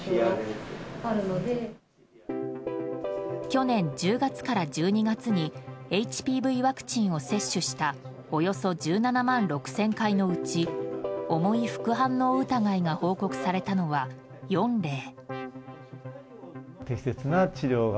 去年１０月から１２月にＨＰＶワクチンを接種したおよそ１７万６０００回のうち重い副反応疑いが報告されたのは４例。